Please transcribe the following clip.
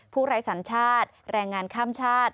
ไร้สัญชาติแรงงานข้ามชาติ